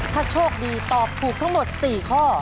ถ้าโชคดีตอบถูกทั้งหมด๔ข้อ